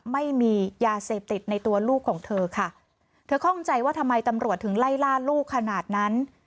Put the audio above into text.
ไม่มียาเสพติดในตัวลูกของเธอค่ะเธอคล่องใจว่าทำไมตำรวจถึงไล่ล่าลูกขนาดนั้น